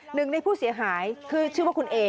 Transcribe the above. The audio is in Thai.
หนึ่งในผู้เสียหายคือชื่อว่าคุณเอ